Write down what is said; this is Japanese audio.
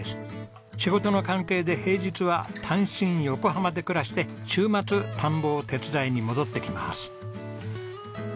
仕事の関係で平日は単身横浜で暮らして週末田んぼを手伝いに戻って来ます。